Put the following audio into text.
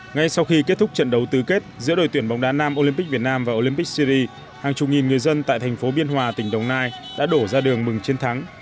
ngay sau khi kết thúc trận đấu tứ kết giữa đội tuyển bóng đá nam olympic việt nam và olympic ciry hàng chục nghìn người dân tại thành phố biên hòa tỉnh đồng nai đã đổ ra đường mừng chiến thắng